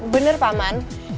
bener pak man